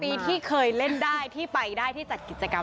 ดีที่เคยเล่นได้ที่ไปได้ที่จัดกิจกรรม